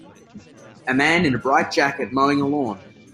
A man in a bright jacket mowing a lawn.